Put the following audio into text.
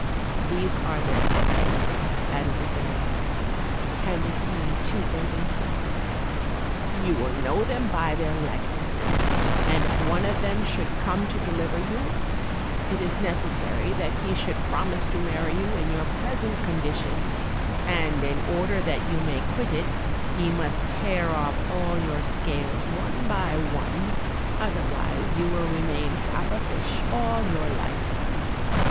These are their portraits,' added the fairy, handing to me two golden cases; 'you will know them by their likenesses; and if one of them come to deliver you, it is necessary that he should promise to marry you in your present con dition; and in order that you may quit it, he must tear off all your scales one by one, otherwise you will remain half a fish all your life.